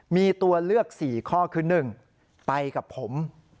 มีตัวเลือกสี่ข้อคือหนึ่งไปกับผม